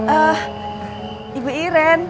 eh ibu iren